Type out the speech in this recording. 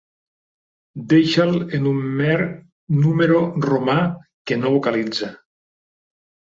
Deixa'l en un mer número romà, que no vocalitza.